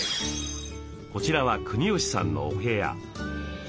こちらは国吉さんのお部屋。